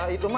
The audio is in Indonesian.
ah itu mak